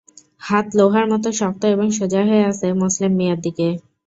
হাত লোহার মতো শক্ত এবং সোজা হয়ে আছে মোসলেম মিয়ার দিকে।